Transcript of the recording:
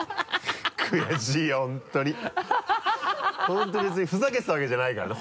本当に別にふざけてたわけじゃないからね。